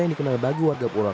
yang dikenal bagi warga pulau